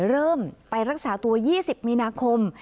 เริ่มไปรักษาตัว๒๐มีนาคม